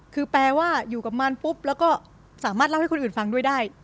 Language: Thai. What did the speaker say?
คือแปลว่าอยู่กับมันปุ๊บแล้วก็สามารถเล่าให้คนอื่นฟังด้วยได้